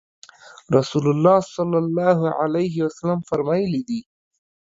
رسول الله صلی الله علیه وسلم فرمایلي دي